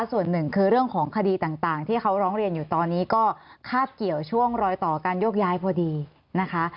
ส่วนหนึ่งคือเรื่องของคดีต่างที่เขาร้องเรียนอยู่ตอนนี้ก็คาบเกี่ยวช่วงรอยต่อการโยกย้ายพอดีนะคะ